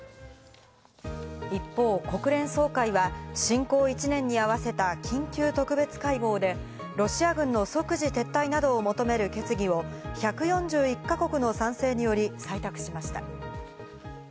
一方、国連総会は侵攻１年に合わせた緊急特別会合で、ロシア軍の即時撤退などを求める決議を１４１か国の賛成により採択しました。